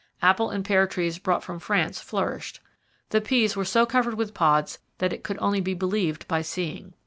Apple and pear trees brought from France flourished. The peas were 'so covered with pods that it could only be believed by seeing.'